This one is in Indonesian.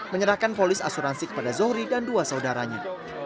menyerahkan polis asuransi kepada zohri dan dua saudaranya